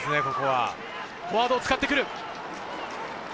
フォワードを使ってくる。